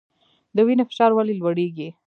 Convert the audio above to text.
د وینې فشار ولې لوړیږي؟